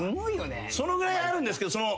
そのぐらいあるんですけどその。